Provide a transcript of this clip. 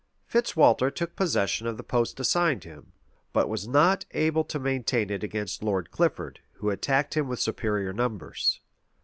Fitzwalter took possession of the post assigned him; but was not able to maintain it against Lord Clifford, who attacked him with superior numbers.